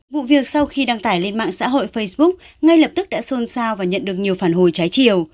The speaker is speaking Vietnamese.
vụ việc sau khi đăng tải lên mạng xã hội facebook ngay lập tức đã xôn xao và nhận được nhiều phản hồi trái chiều